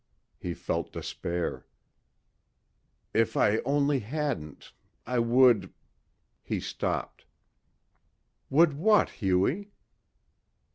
He felt despair. "If I only hadn't ... I would...." He stopped. "Would what, Hughie?"